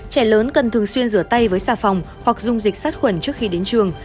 trẻ lớn cần thường xuyên rửa tay với xà phòng hoặc dùng dịch sát khuẩn trước khi đến trường